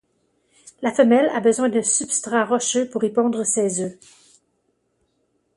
La femelle a besoin d'un substrat rocheux pour y pondre ces œufs.